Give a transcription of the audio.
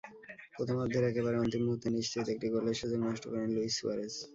প্রথমার্ধের একেবারে অন্তিম মুহূর্তে নিশ্চিত একটি গোলের সুযোগ নষ্ট করেন লুইস সুয়ারেজ।